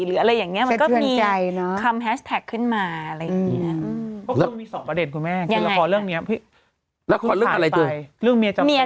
หรืออะไรอย่างนี้มันก็มีคำแฮชแท็กขึ้นมาอะไรอย่างนี้